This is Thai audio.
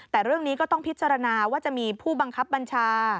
แต่เรื่องนี้ก็ต้องพิจารณาว่าจะมีผู้บังคับบัญชา